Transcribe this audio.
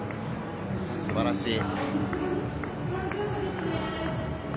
素晴らしい。